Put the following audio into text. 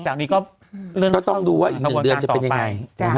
อันนี้ก็เรื่องต้องดูว่าอีก๑เดือนจะเป็นยังไง